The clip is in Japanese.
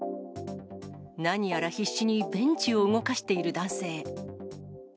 何やら必死にベンチを動かしている男性。